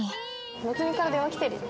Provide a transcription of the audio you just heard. なつみから電話来てるよ。